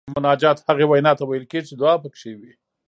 مناجات هغې وینا ته ویل کیږي چې دعا پکې وي.